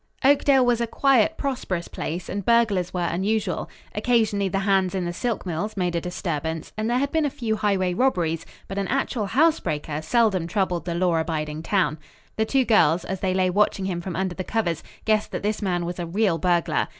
Oakdale was a quiet, prosperous place, and burglars were unusual. Occasionally the hands in the silk mills made a disturbance, and there had been a few highway robberies, but an actual house breaker seldom troubled the law abiding town. The two girls, as they lay watching him from under the covers, guessed that this man was a real burglar.